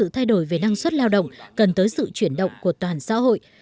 thay đổi về năng suất lao động cần tới sự chuyển động của toàn xã hội